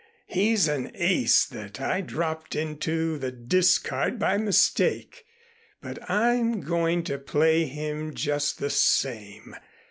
He's an ace that I dropped into the discard by mistake, but I'm going to play him just the same.